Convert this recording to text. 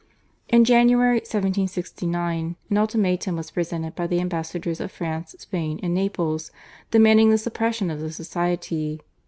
In January 1769 an ultimatum was presented by the ambassadors of France, Spain, and Naples demanding the suppression of the Society.